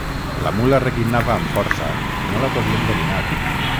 La mula reguitnava amb força i no la podíem dominar.